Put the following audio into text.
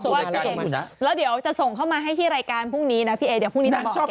ว่าแล้วเดี๋ยวจะส่งเข้ามาให้ที่รายการพรุ่งนี้นะพี่เอเดี๋ยวพรุ่งนี้จะบอก